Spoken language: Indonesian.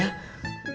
aduh ntar lihat ya